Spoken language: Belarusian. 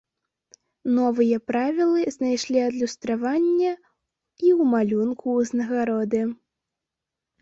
Новыя правілы знайшлі адлюстраванне і ў малюнку ўзнагароды.